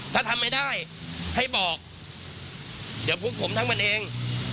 ถ้าทำไม่ได้ให้บอกเดี๋ยวพวกผมทำมันเอง